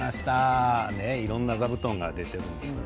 いろんな座布団が出ているんですね。